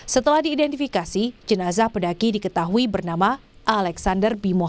setelah diidentifikasi jenazah pendaki diketahui bernama alexander bimo